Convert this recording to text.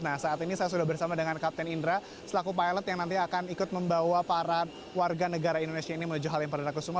nah saat ini saya sudah bersama dengan kapten indra selaku pilot yang nanti akan ikut membawa para warga negara indonesia ini menuju halim perdana kusuma